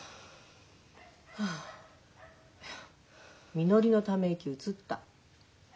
みのりのため息うつった。